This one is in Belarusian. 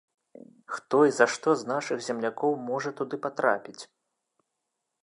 Хто і за што з нашых землякоў можа туды патрапіць?